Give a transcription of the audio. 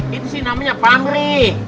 itu sih namanya pamri